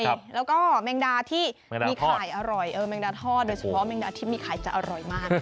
แล้วก็แมงดาที่มีไข่อร่อยแมงดาทอดโดยเฉพาะแมงดาที่มีขายจะอร่อยมาก